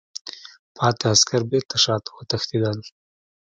پاتې عسکر بېرته شاته وتښتېدل.